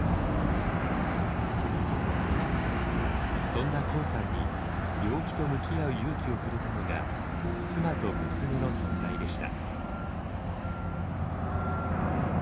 そんなＫＯＯさんに病気と向き合う勇気をくれたのが妻と娘の存在でした。